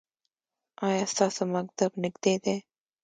ایا ستاسو مکتب نږدې دی؟